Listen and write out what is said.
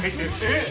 えっ？